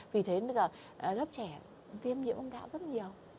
vì thế nên là lớp trẻ viêm nhiễm âm đạo rất nhiều